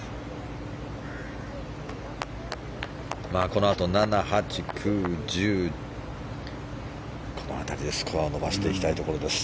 このあと７、８、９、１０この辺りでスコアを伸ばしていきたいところです。